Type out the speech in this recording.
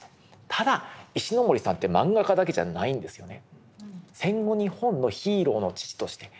ただ石森さんって萬画家だけじゃないんですよね。